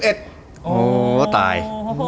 โอ้ตาย